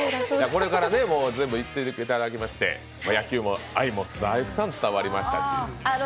これから全部言っていただきまして野球愛もたくさん伝わりましたし。